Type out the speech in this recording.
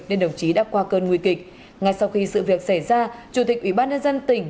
nên đồng chí đã qua cơn nguy kịch ngay sau khi sự việc xảy ra chủ tịch ủy ban nhân dân tỉnh